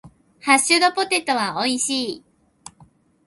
ハッシュドポテトは美味しい。